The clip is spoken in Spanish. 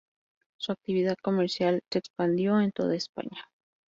Su actividad comercial se expandió en toda España.